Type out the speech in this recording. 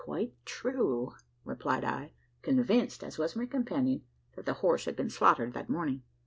"Quite true," replied I, convinced, as was my companion, that the horse had been slaughtered that morning.